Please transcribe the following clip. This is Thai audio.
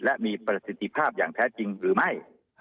และมีประสิทธิภาพอย่างแท้จริงหรือไม่